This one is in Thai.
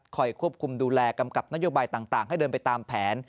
ควบคุมดูแลกำกับนโยบายต่างให้เดินไปตามแผน